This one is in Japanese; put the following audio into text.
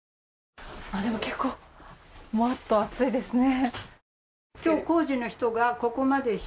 結構、もわっと暑いですね。